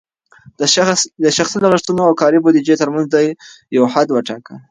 د شخصي لګښتونو او کاري بودیجې ترمنځ دې یو حد وټاکه.